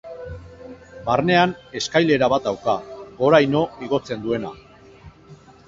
Barnean eskailera bat dauka goraino igotzen duena.